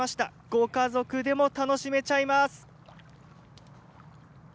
ご家族でも楽しめちゃいます。